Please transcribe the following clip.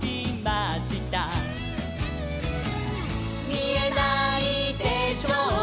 「みえないでしょう